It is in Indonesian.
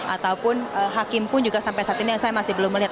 ataupun hakim pun juga sampai saat ini yang saya masih belum melihat